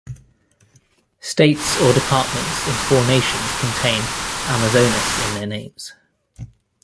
States or departments in four nations contain "Amazonas" in their names.